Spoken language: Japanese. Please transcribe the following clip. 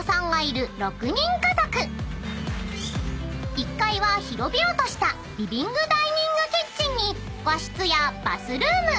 ［１階は広々としたリビングダイニングキッチンに和室やバスルーム］